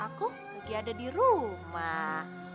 aku lagi ada di rumah